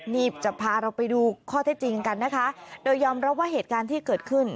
นี่จะพาเราไปดูข้อเท็จจริงกันนะคะโดยยอมรับว่าเหตุการณ์ที่เกิดขึ้น